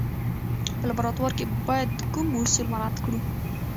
په لابراتوار کې باید کوم اصول مراعات کړو.